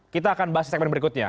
kita akan bahas di segmen berikutnya